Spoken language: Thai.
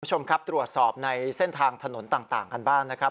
คุณผู้ชมครับตรวจสอบในเส้นทางถนนต่างกันบ้างนะครับ